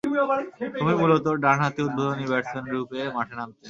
তিনি মূলতঃ ডানহাতি উদ্বোধনী ব্যাটসম্যানরূপে মাঠে নামতেন।